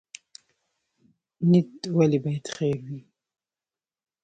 نیت ولې باید خیر وي؟